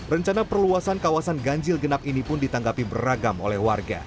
rencana perluasan kawasan ganjil genap ini pun ditanggapi beragam oleh warga